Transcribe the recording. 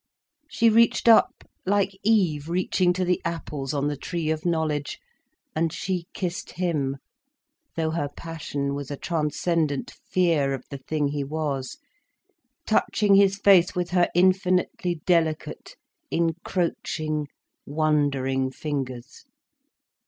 She reached up, like Eve reaching to the apples on the tree of knowledge, and she kissed him, though her passion was a transcendent fear of the thing he was, touching his face with her infinitely delicate, encroaching wondering fingers.